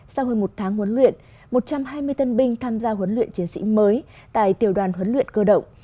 sau hơn một tháng huấn luyện một trăm hai mươi tân binh tham gia huấn luyện chiến sĩ mới tại tiểu đoàn huấn luyện cơ động